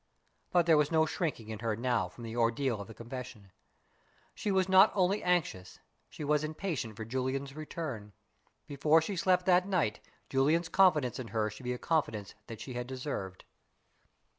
But there was no shrinking in her now from the ordeal of the confession. She was not only anxious she was impatient for Julian's return. Before she slept that night Julian's confidence in her should be a confidence that she had deserved.